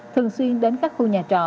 thường xuyên đến các khu nhà trọ